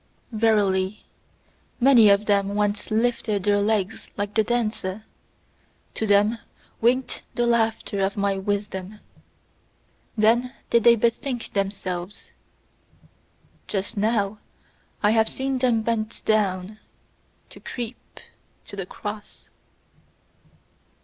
Verily, many of them once lifted their legs like the dancer; to them winked the laughter of my wisdom: then did they bethink themselves. Just now have I seen them bent down to creep to the cross.